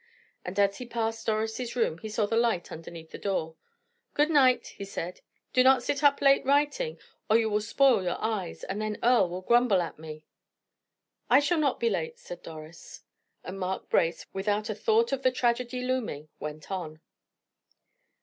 And as he passed Doris' room he saw the light underneath the door. "Good night," he said; "do not sit up late, writing, or you will spoil your eyes, and then Earle will grumble at me." "I shall not be late," said Doris. And Mark Brace, without a thought of the tragedy looming, went on.